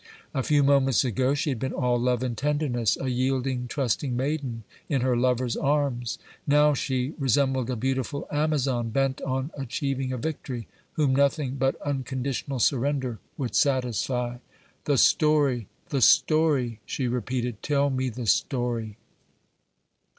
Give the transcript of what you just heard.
A few moments ago she had been all love and tenderness, a yielding, trusting maiden in her lover's arms; now, she resembled a beautiful Amazon bent on achieving a victory, whom nothing but unconditional surrender would satisfy. "The story, the story," she repeated, "tell me the story!"